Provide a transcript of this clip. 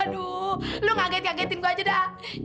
aduh lo ngagetin ngagetin gua aja dah